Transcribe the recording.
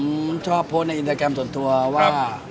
ผมชอบโพสต์ในอินสตาแกรมส่วนตัวว่า